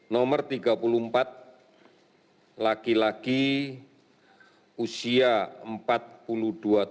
nomor tiga puluh empat laki laki empat puluh empat tahun kondisi sakit ringan sedang imported case